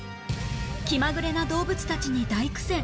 気まぐれな動物たちに大苦戦